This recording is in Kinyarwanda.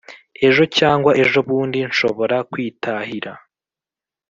ejo cyangwa ejobundi nshobora kwitahira. »